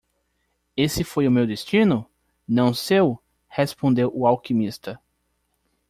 "Esse foi o meu destino? não seu?" respondeu o alquimista.